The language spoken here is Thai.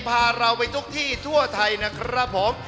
พาเราไปทุกที่ทั่วไทยนะครับผม